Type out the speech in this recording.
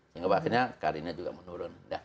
yang kemudian akhirnya karirnya juga menurun